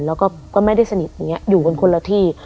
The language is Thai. แล้วก็ไม่ได้สนิทอย่างนี้อยู่กันคนละที่